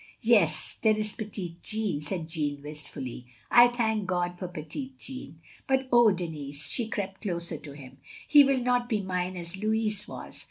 "" Yes, there is petit Jean, " said Jeaiine wistfully. "I thank God for petit Jean. But oh, Denis —" she crept closer to him, " he will not be mine as Louis was.